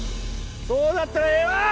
そうだったらええわ！